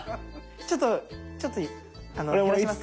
ちょっとちょっと減らします。